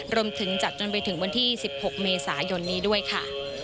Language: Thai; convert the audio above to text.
จัดจนไปถึงวันที่๑๖เมษายนนี้ด้วยค่ะ